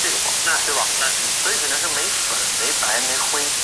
白音大赉则继续率起义军同清军战斗。